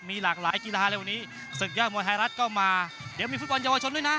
มีหลากหลายกีฬาเลยวันนี้ศึกยอดมวยไทยรัฐก็มาเดี๋ยวมีฟุตบอลเยาวชนด้วยนะ